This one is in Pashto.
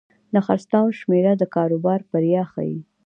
د خرڅلاو شمېره د کاروبار بریا ښيي.